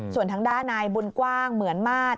ส่วนทำด้าไน่บุญกว้างเหมือนมาก